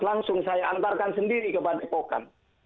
langsung saya antarkan sendiri kepada epokan